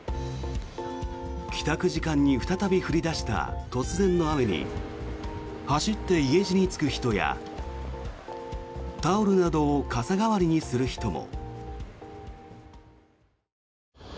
帰宅時間に再び降り出した突然の雨に走って家路に就く人やタオルなどを傘代わりにする人も。